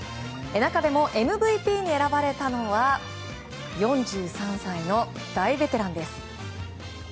中でもＭＶＰに選ばれたのは４３歳の大ベテランです。